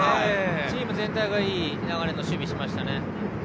チーム全体がいい流れの守備をしましたね。